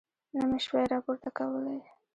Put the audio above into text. نه مې شوای راپورته کولی.